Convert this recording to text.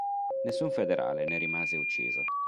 Nessun federale ne rimase ucciso.